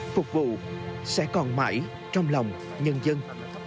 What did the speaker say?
phục vụ sẽ còn mãi trong lòng nhân dân